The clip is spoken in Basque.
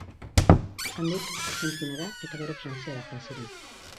Handik Argentinara eta gero Frantziara joan ziren.